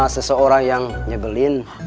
seseorang yang nyebelin